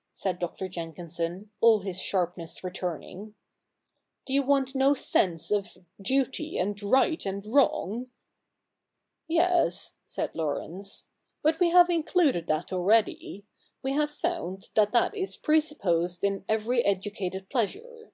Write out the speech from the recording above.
" said Dr. Jenkinson, all his sharpness returning ;' do you want no sense of duty, and right, and wrong ?'' Yes,' said Laurence, ' but we have included that already. We have found that that is pre supposed in every educated pleasure.